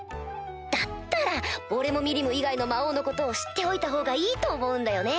だったら俺もミリム以外の魔王のことを知っておいたほうがいいと思うんだよね。